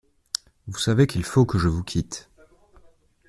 Vous savez qu’il faut que je vous quitte.